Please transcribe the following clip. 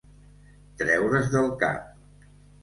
Treure's del cap.